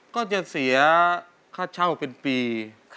ก็จะเสียค่าเช่าเป็นปี